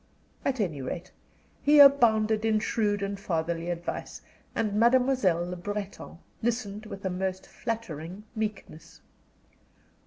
At any rate, he abounded in shrewd and fatherly advice, and Mademoiselle Le Breton listened with a most flattering meekness.